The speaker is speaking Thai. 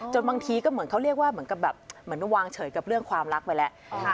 จนบางทีก็เหมือนเขาเรียกว่ามันวางเฉยกับเรื่องความรักไปแล้ว